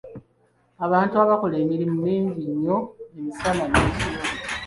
Abantu bakola emirimu mingi nnyo emisana n'ekiro.